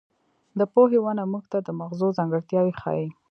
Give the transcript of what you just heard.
د پوهې ونه موږ ته د مغزو ځانګړتیاوې ښيي.